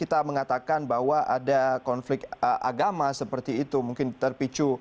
apa yang membuat dewan negeri magmedi melakukan itu